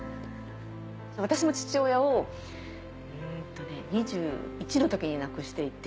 私も父親を２１の時に亡くしていて。